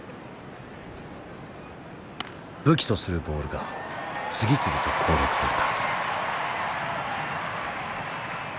武器とするボールが次々と攻略された。